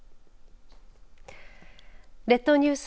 列島ニュース